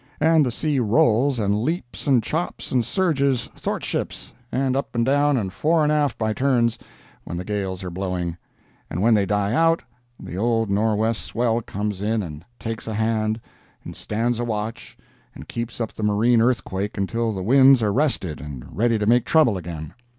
And the sea rolls and leaps and chops and surges "thortships" and up and down and fore and aft by turns, when the gales are blowing; and when they die out the old nor'west swell comes in and takes a hand, and stands a watch, and keeps up the marine earthquake until the winds are rested and ready to make trouble again.